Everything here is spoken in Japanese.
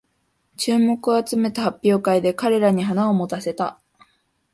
注目を集めた発表会で彼らに花を持たせた